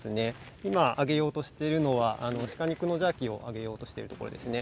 今あげようとしているのは鹿肉のジャーキーをあげようとしているところです。